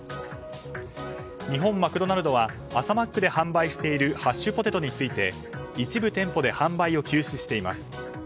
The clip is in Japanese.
日本マクドナルドは朝マックで販売しているハッシュポテトについて一部店舗で販売を休止しています。